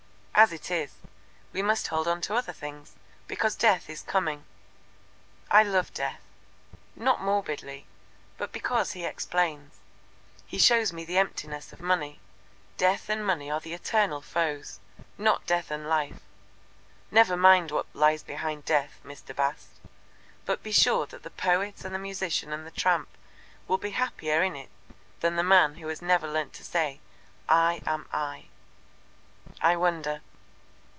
As it is, we must hold to other things, because Death is coming. I love Death not morbidly, but because He explains. He shows me the emptiness of Money. Death and Money are the eternal foes. Not Death and Life. Never mind what lies behind Death, Mr. Bast, but be sure that the poet and the musician and the tramp will be happier in it than the man who has never learnt to say, 'I am I.'" "I wonder."